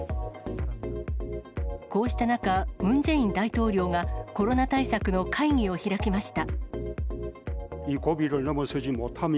こうした中、ムン・ジェイン大統領がコロナ対策の会議を開きました。